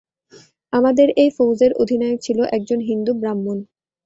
আমাদের ফৌজের অধিনায়ক ছিল একজন হিন্দু ব্রাহ্মণ।